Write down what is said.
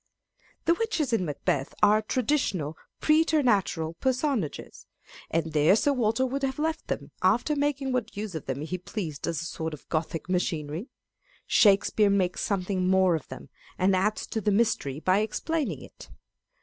The witches in Macbeth are traditional, preternatural personages ; and there Sir Walter would have left them after making what use of them he pleased as a sort of Gothic machinery. Shakespeare makes something more of them, and adds to the mystery by explaining it.